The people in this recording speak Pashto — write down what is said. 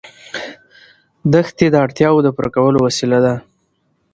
دښتې د اړتیاوو د پوره کولو وسیله ده.